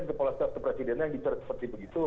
kepala staf kepresidennya yang diceritakan begitu